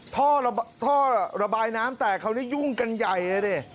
ท่อระบายน้ำแตกคราวนี้ยุ่งกันใหญ่เลยดิ